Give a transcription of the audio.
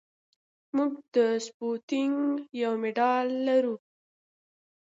موږ د سپوتنیک یو ماډل لرو